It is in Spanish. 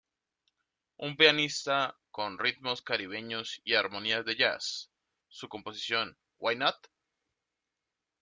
Un pianista con ritmos caribeños y armonías de jazz; su composición Why not!